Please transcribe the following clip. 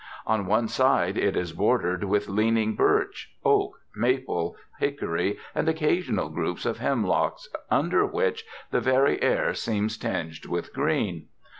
On one side it is bordered with leaning birch, oak, maple, hickory, and occasional groups of hemlocks under which the very air seems tinged with green.